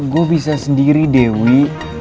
gue bisa sendiri dewi